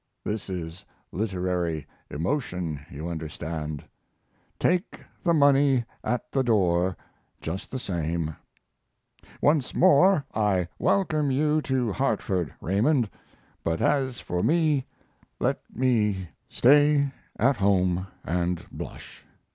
(This is literary emotion, you understand. Take the money at the door just the same.) Once more I welcome you to Hartford, Raymond, but as for me let me stay at home and blush.